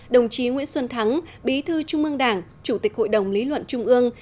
đồng chí nguyễn xuân thắng bí thư trung ương đảng chủ tịch hội đồng lý luận trung ương